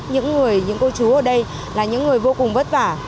những người những cô chú ở đây là những người vô cùng vất vả